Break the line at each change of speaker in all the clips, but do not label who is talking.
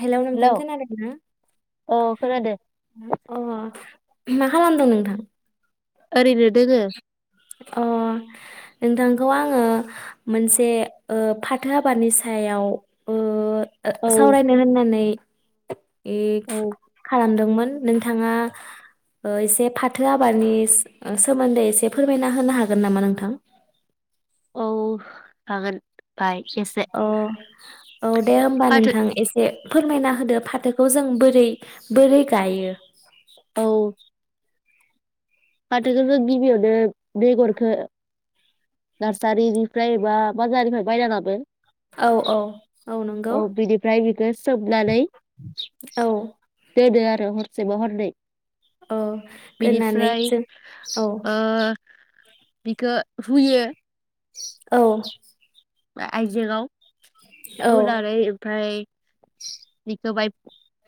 Hello नोंथां खोनादोंना
औ खोनादो
अ मा खालामदों नोंथां
ओरैनो दोङो
अ नोंथांखौ आङो मोनसे ओ फाथो आाबानि सायाव ओ
औ
[unintelligible] सावरायनो होननानै [unintelligible] ए
औ
खालामदोंमोन नोंथाङा ओ एसे फाथो आबादनि सोमोन्दै एसे फोरमायना होनो हागोन नामा नोंथां
औ हागोन बाय एसे
अ औ दे होमबा
फाथो
नोंथां एसे फोरमायना होदो फाथोखौ जों बोरै बोरै गायो? [unintelligible]
फाथोखो जों गिबियावनो बेगरखो नारसारिनिफ्राय बा बाजारनिफ्राय बायना लागोन
औ औ
औ बिनिफ्राय बिखौ सोबनानै
औ
दोनो आरो हरसे बा हरनै
औ दोननानै
बिनिफ्राय
जों औ
ओ बिखो हुयो
औ
आइजेङाव
औ
हुनानै ओमफाय बिखौ बाय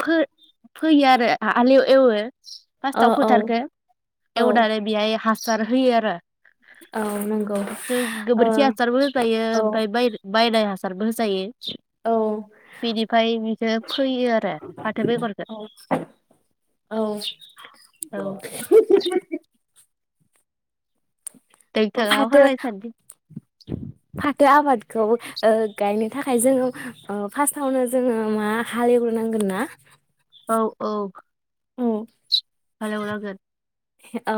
फो-फोयो आरो आलिव एवो
औ
फार्स्टाव
औ
फोथारखो
औ
एवनानै बेहाय हासार सार होयो आरो
औ नंगौ
जों
ओ
गोबोरखि हासारबो होजायो
औ
ओमफाय बाय‌ बायनाय हासार [unintelligible] जायो
औ
फैयो आरो फाथो बेगरखौ
औ औ [inaudible] औ
नोंथाङा
फाथो
[unintelligible]
खौ ओ गायनो थाखाय ओ जोङो फास्टावनो जोङो मा हालेवग्रोनांगोन ना?
औ औ
औ
हाल एवनांगोन
औ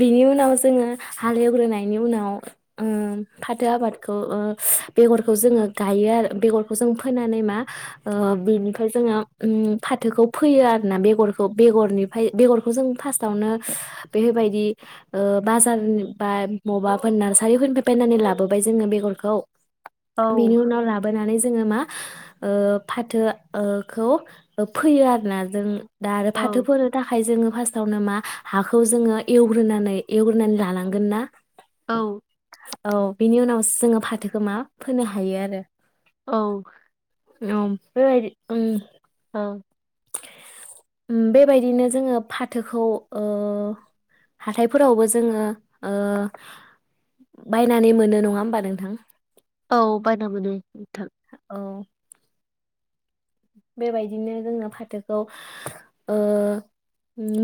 बिनि उनाव जोङो हालेवग्रोनायनि उनाव ओ फाथो आबादखौ ओ बेगरखौ जोङो गायो आरो बेगरखौ जों फोनानै मा ओ बिनिफ्राय जोङो उम फाथोखौ फोयो आरोना बेगरखौ बेगरनिफ्राय बेगरखौ जों फास्ट थावनो बेफोरबायदि बाजार बा मबाफोर नार्सारिफोरनिफ्राय बायनानै लाबोबाय जोङो बेगरखौ
औ
बिनि उनाव लाबोना नानै जोङो मा ओ फाथो ओखौ फैयो आरोना जों दा आरो फाथो
औ
फोनो थाखाय जोङो यावनो मा हाखौ जोङो एवग्रोनानै एवग्रोनानै लानांगोन ना
औ
औ बिनि उनाव जोङो फाथोखौ मा फोनो हायो आरो
औ
[unintelligible]
औ
उम बेबायदिनो जोङो फाथोखौ ओ हाथायफोरावबो जोङो ओ बायनानै मोनो नङा होमबा नोंथां
औ बायना मोनो नोंथां
औ बेबायदिनो जोङो फाथोखौ ओ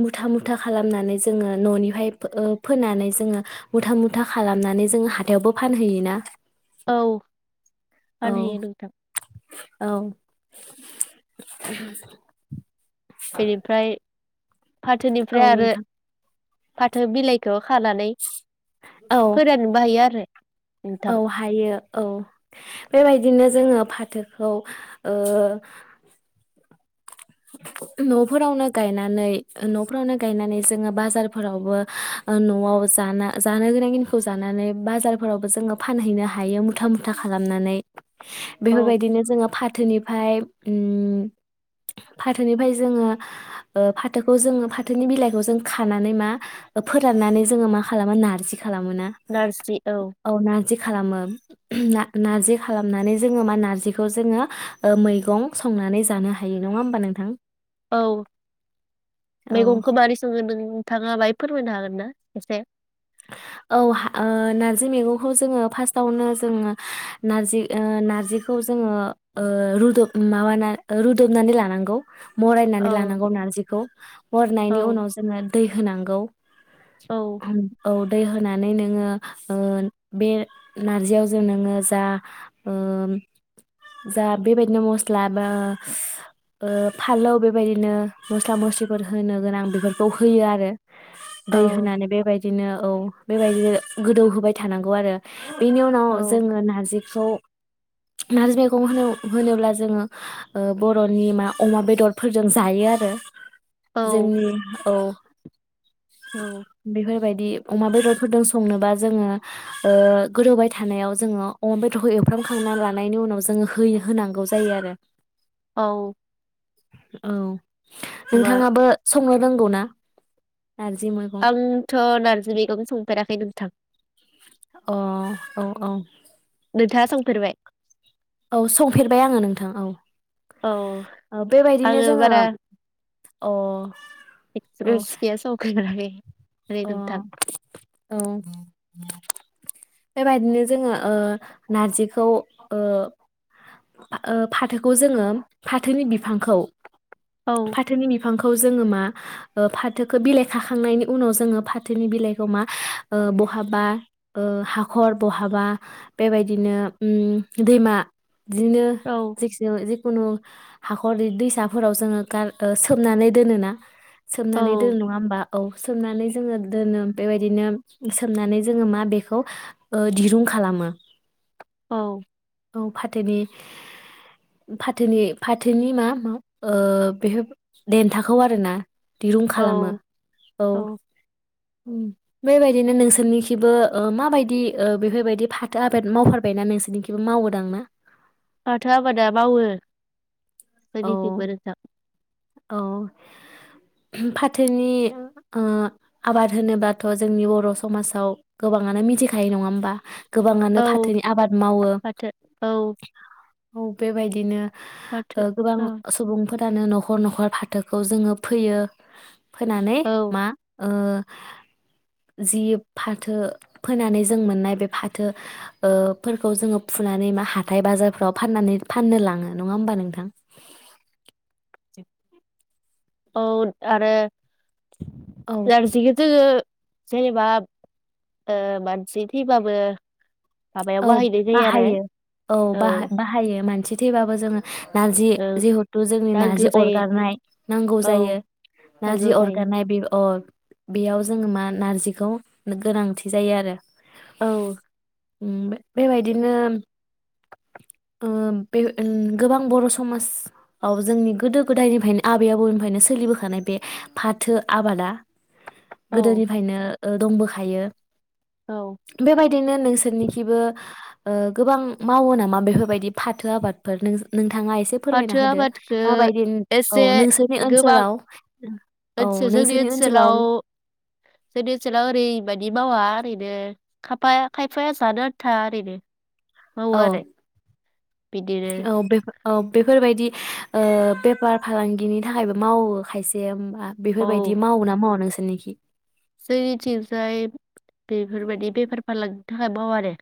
मुथा मुथा खालामनानै जोङो ननिफाय ओ फोनानै जोङो मुथा मुथा खालामनानै जोङो हाथायावबो फानहैयोना
औ
औ
फानहैयो नोंथां
औ [inaudible]
बेनिफ्राय
औ
फाथोनिफ्राय आरो
नोंथां
फाथो बिलाइखौ खानानै
औ
फोराननोबो हायो आरो नोंथां
औ हायो औ बेबायदिनो जोङो फाथोखौ ओ नफोरावनो गायनानै नफोरावनो गायनानै जोङो बाजारफोरावबो नआव जाना जानो गोनांखिनिखौ जानानै बाजारफोरावबो जोङो फानहैनो हायो मुथा मुथा खालामनानै
औ
बेफोरबायदिनो जोङो फा थोनिफ्राय उम फाथोनिफ्राय जोङो ओ फाथोखौ जोङो फाथोनि बिलाइखौ जों खानानै मा फोराननानै जोङो मा खालामो नारजिखौ खालामोना औ नाजि खालामो ना नार्जि खालामनानै जोङो मा नारजिखौ जोङो मैगं संनानै जानो हायो। नङा होमबा नोंथां
औ
औ
मैगंखौ मारै सोङो नों नोंथाङा बाहाय फोरमायनो हागोन ना एसे
औ ओ नार्जि मैगंखौ जोङो फार्स्टावनो जोङो नारजि ओ नार्जिखौ जोङो ओ रुदब माबाना रुदबनानै लानांगौ मरायनानै
औ
लानांगौ नारजिखौ मरनायनि
औ
उनाव जोङो दै होनांगौ
औ
आम औ दै होनानै नोङो ओ बे नारजियाव जों नोङो जा ओ जा बेबायदिनो मस्ला बा फालौ बेबायदिनो मस्ला मस्लिफोर होनो गोनां बेफोरखौ होयो आरो
औ
दै होनानै बेबायद बिदिनो औ बेबायदिनो गोदौ होबाय थानांगौ आरो बेनि उनाव
औ
जोङो नारजि बेखौ नारजि मैगं होन होनोब्ला जोङो बर'नि मा अमा बेदरफोरजों जायो आरो
औ
जोंनि औ
औ
बेफोर बायद दि अमा बेदरफोरजों संनोबा जोङो ओ गोदौबाय थानायाव जोङो अमा बेदरखौ एवफ्रामखांना लानायनि उनाव जोङो होयो होनांगौ जायो आरो
औ
औ
मा
नोंथाङाबो स संनो रांगौ ना नारजि मैगं
आंथ नारजिबि ओं संफेराखै नोंथां
अ औ औ
नोंथाङा संफेरबाय
औ संफेरबाय आङो नोंथां औ बेबायदिनो
आङो
जोङो अ
एगपिरेनस गैया संखायनानै
अ औ बेबायदिनो जोङो ओ नारजिखौ ओ फा ओ फाथोखौ जोङो फाथोनि बिफांखौ
औ
फाथोनि बिफांखौ जोङो मा ओ फाथोखौ बिलाइ खाखांनायनि उनाव जोङो फाथोनि बिलाइखौ मा ओ बहाबा ओ हाखर बहाबा बेबायदिनो उम दैमा बिदिनो
औ
जेखि जिखुनु हाखरनि दैसाफोराव जोङो गार ओ सोमनानै दोनोना सोमनानै दोन
औ
नङा होमबा औ सोमनानै जोङो दोनो बेबायदिनो सोमनानै जोङो मा बेखौ ओ दिरुं खालामो
औ
औ फाथोनि फाथोनि फाथोनि मा मा ओ बेफोर देन्थाखौ आरोना दिरुं खालामो
औ
औ उम बेबायदिनो नोंसोरनिखिबो ओ माबायदि ओ बेफोरबायदि फाथो आबाद मावफेरबायना नोंसोरनिखिबो मावयोदां ना
फाथो आबादा मावावो
औ
जोंनिखैबो नोंथां
औ फाथोनि ओ आबाद होनोबाथ जोंनि बर समाजाव गोबाङानो मिथिखायो नङा होमबा गोबाङानो
औ
फाथोनि आबाद मावो
फाथो औ
औ बेबायदिनो
फाथो
ओ गोबां
औ
सुबुंफोर जानो न नखर नखर फाथोखौ जोङो फोयो फोनानै
औ
मा ओ जि फाथो फोनानै जों मोननाय बे फाथो ओ फोरखौ जोङो फुनानै मा हाथथाय बाजारफ्राव फाननानै फाननो लाङो नङा होमबा नोंथां
औ आरो
औ
[unintelligible] जेनेबा ओ मानसि थैबाबो माबायाव
औ
बाहायनाय जायो आरो
बाहायो औ बा बाहायो मानसि थैबाबो जोङो नारजि जिहेथु जोंनि
दागो
नारजि
जायो
अरगारनाय नांगौ
औ
जायो नारजि
दागो जायो
अरगारनाय बे अ बेयाव जोङो मा नारजिखौ गोनांथि जायो आरो
औ
उम बेबायदिनो ओ उम बे गोबां बर समाजाव जोंनि गोदो गोदायनिफ्रायनो आबै आबौनिफ्रायनो सोलिबोखानाय बे फाथो आबादा
औ
गोदोनिफायनो ओ दंबोखायो
औ
बेबायदिनो नोंसोरनि ओ गोबां मावो नामा बेफोरबायदि फाथो आबादफोर नों-नों
फाथो आबादखौ एसे
औ नोंसोरनि
गोबां
ओनसोलाव औ
ओनसोल जोंनि
नोंसोरनि
ओनसोलाव जोंनि ओनसोलाव ओरैबायदि मावा ओरैनो खाफाया खायफाया जानो आन्था ओरैनो मावो
औ
आरो बिदिनो
औ बेफो औ बेफोरबायदि ओ बेफार फालांगिनि थाखायबो मावो खायसेया
औ
बेफोरबायदि मावयो ना मावआ [unintelligible]
जोंनिथिंजाय बेफोरबायदि बेफार फालांगिनि थाखाय बाव आरो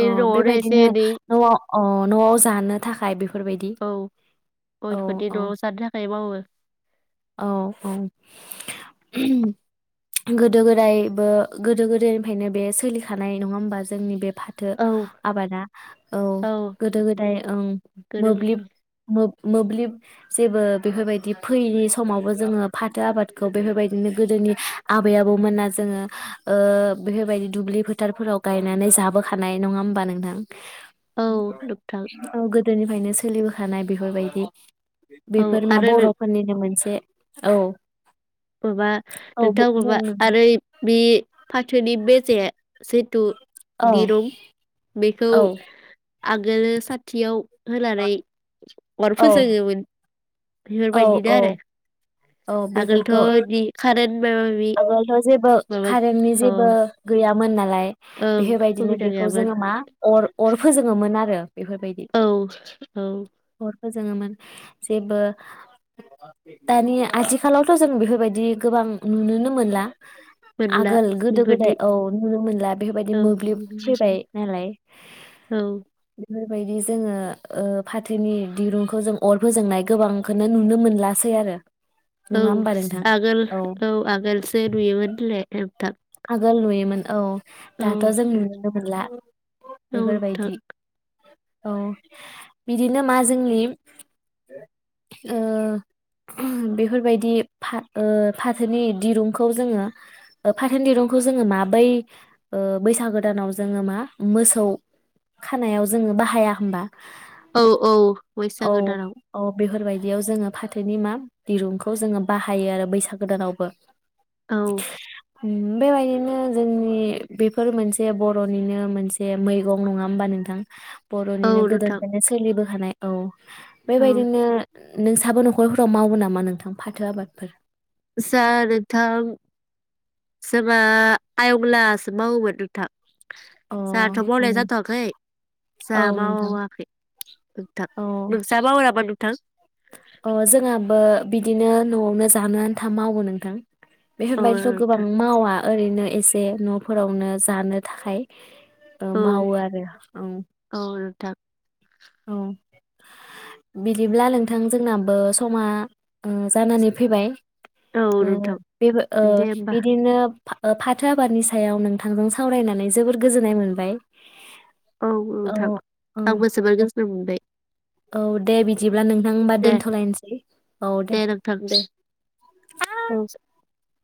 अ
न'आवनो एसे
बेबायदिनो
एनै
नआव अ नआव जानो थाखाय बे
औ गयफोरनि
औ
नआव जानो थाखाय मावो
औ औ गोदो गोदायबो गोदो गोदायनिफ्रायनो बे सोलिखानाय नङा होमबा जोंनि बे फाथो
औ
आबादा औ गोदो गोदाय ओं
गोनो
मोब्लिब
गोथो
मोब मोब्लिब जेबो बेफोरबायदि फैयि समावबो जोङो फाथो आबादखौ बेफोरबायदिनो गोदोनि आबै आबौमोना जोङो ओ बेफोरबायदि दुब्लि फोथारफोराव गायनानै जाबोखानाय नङा होमबा नोंथां?
औ नोंथां
औ गो दोनिफ्रायनो सोलिबोखानाय बेफोरबायदि
औ
बेफोर मा
आरो नों
बरफोरनिनो मोन बे औ
माबा
औ बुं
नोंथां मबा
नोंथां
आरो बे फाथोनि बेजे जिथु
औ
दिरुं बेखौ
औ
आगोलो साथियाव होलानै अर
औ
फोजोङोमोन
औ
बिफोरबायदिनो
औ
आरो
औ बेफोर
थ' दि कारेन
आगोलथ' जेबो कारेन्टनि
अ
जेबो गैया मोन ना लाय
ओं
बेफोरबायदिनो
सुबिदा
बेखौ
गैयामोन
जोङो मा अर अर फोजोङोमोन आरो बेफोरबायदि
औ औ
अर फोजोङोमोन जेबो दानि आथिखालावथ' जों बेफोरबायदि गोबां नुनोनो मोनला
मोनला
आगोल गोदो गोदाय
बेबायदि
औ नुनो मोनला बेफोरबायदि
औ
मोब्लिब फैबाय नालाय
औ
बेफोरबायदि जोङो ओ फाथोनि दिरुंखौ जों अर फोजोंनाय गोबांखौनो नुनो मोनलासै आरो
औ
नङा होमबा नोंथां
आगोल औ औ आगोलसो नुयोमोन होनलाय नोंथां
आगोल नुयोमोन औ
औ
दाथ' जों नुनोनो मोनला। [inaudible]
नोंथां
बेफोरबायदि औ बिदिनो मा जोंनि ओ [unintelligible] बेफोरबायदि फा ओ फाथोनि दिरुंखौ जोङो ओफ फाथोनि दिरुंखौ जोङो मा बै ओ बैसागो दानाव जोङो मा मोसौ खानायाव जोङो बाहाया होमबा
औ औ
औ
बैसागो दानाव
औ बेफोरबायदियाव जोङो फाथोनि मा दिरुंखौ जोङो बाहायो आरो बैसागोदानावबो
औ
ओम बेबायदिनो जोंनि बेफोर मोनसे बर'निनो मोनसे मैगं नङा होमबा नोंथां?
औ
बर'निनो
नोंथां
गोदोनिफ्रायनो सोलिबोखानाय औ
औ
बेबायदिनो नों साबो न'खरफोराव मावो नामा नोंथां फाथो आबादफोर
सार नोंथां सोरा आयंलासो मावोमोन नोंथां।
अ
जाहाथ' मावनाया
उम
जाथवाखै
औ
जाहा
नोंथां
मावाखै नोंथां
औ
नोंसा मावो नामा नोंथां?
अ जोंहाबो बिदिनो न'आवनो जानो आन्था मावो नोंथां।
औ
बेफोरबायदिथ' गोबां
नोंथां
मावा ओरैनो एसे न'फोरावनो जानो थाखाय। ओ मावो आरो औ
थां
औ बिदिब्ला नोंथां जोंनाबो समा ओ जानानै फैबाय।
औ
ओ
नोंथां
बेबो ओ
दे होमबा
बिदिनो फा-फाथो आबादनि सायाव नोंथांजों सावरायनानै जोबोर गोजोननाय मोनबाय।
औ औ नोंथां
औ
आंबो जोबोर गो मोनबाय।
औ दे बिदि ब्ला नोंथांबा
दे
दोनथ'लायनोसै औ दे
औ
[unintelligible]